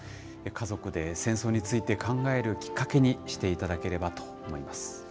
家族で戦争について考えるきっかけにしていただければと思います。